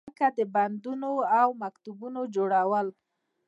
لکه د بندونو او مکتبونو جوړول.